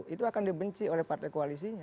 itu akan dibenci oleh partai koalisinya